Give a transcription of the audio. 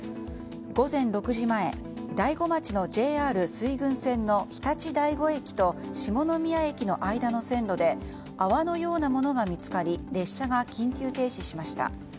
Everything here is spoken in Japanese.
午前６時前大子町のＪＲ水郡線の常陸大子駅と下野宮駅の間の線路で泡のようなものが見つかり列車が緊急停止しました。